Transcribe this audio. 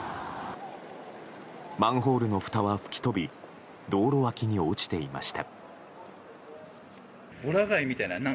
マンホールのふたは吹き飛び道路脇に落ちていました。